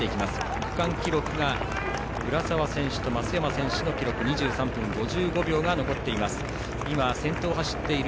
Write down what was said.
区間記録が浦澤選手と松山選手の記録２３分５５秒が残っています。